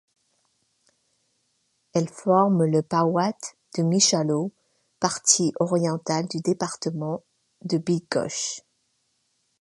Elle forme le powiat de Michałow, partie orientale du département de Bydgoszcz.